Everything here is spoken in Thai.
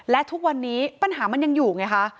และทุกวันนี้ปัญหามันยังอยู่ไงคะ